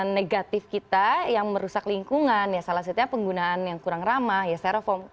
kesehatan negatif kita yang merusak lingkungan ya salah satunya penggunaan yang kurang ramah ya steroform